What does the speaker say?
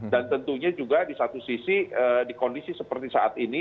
dan tentunya juga di satu sisi di kondisi seperti saat ini